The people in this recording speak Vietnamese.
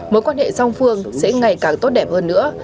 mối quan hệ song phương sẽ ngày càng tốt đẹp hơn nữa